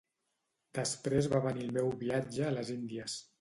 Després va venir el meu viatge a les Índies.